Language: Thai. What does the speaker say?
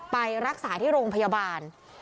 ไปรักษาที่โรงพยาบาล